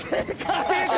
正解！